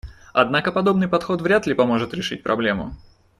Однако подобный подход вряд ли поможет решить проблему.